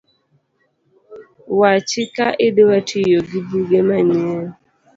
Wachi ka idwa tiyo gi buge manyien